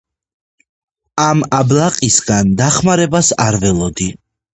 ამ აბლაყისგან დახმარებას არ ველოდი.